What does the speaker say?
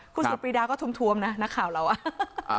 คุณสุดปรีดาก็ทวมนะนักข่าวเราอ่ะ